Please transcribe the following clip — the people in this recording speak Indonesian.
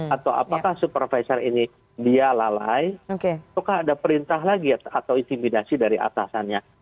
atau apakah supervisor ini dia lalai ataukah ada perintah lagi atau intimidasi dari atasannya